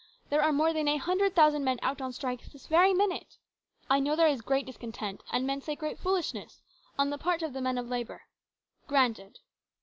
There are more than a hundred thousand men out on strikes this very minute. I know there is great discontent, and men say great foolishness, on the part of the men of labour. Granted.